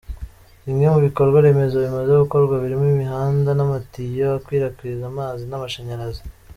Bimwe mu bikorwa remezo bimaze gukorwa birimo imihanda n’amatiyo akwirakwiza amazi n’amashanyarazi.